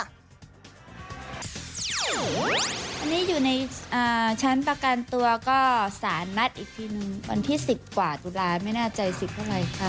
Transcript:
อันนี้อยู่ในชั้นประกันตัวก็สารนัดอีกทีนึงวันที่๑๐กว่าตุลาไม่แน่ใจ๑๐เท่าไรค่ะ